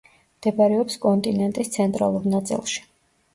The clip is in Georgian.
მდებარეობს კონტინენტის ცენტრალურ ნაწილში.